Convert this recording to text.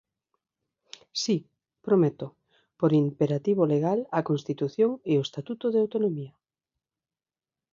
Si, prometo, por imperativo legal a Constitución e o Estatuto de autonomía.